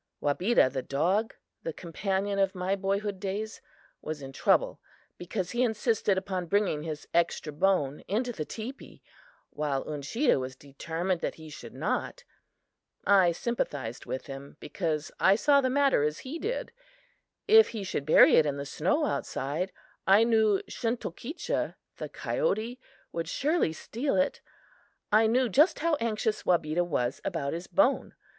Wabeda, the dog, the companion of my boyhood days, was in trouble because he insisted upon bringing his extra bone into the teepee, while Uncheedah was determined that he should not. I sympathized with him, because I saw the matter as he did. If he should bury it in the snow outside, I knew Shunktokecha (the coyote) would surely steal it. I knew just how anxious Wabeda was about his bone.